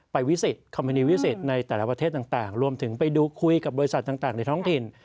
วิสิตคอมมินีวิสิตในแต่ละประเทศต่างรวมถึงไปดูคุยกับบริษัทต่างในท้องถิ่น